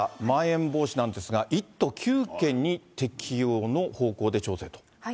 まん延防止なんですが、１都９県に適用の方向で調整と。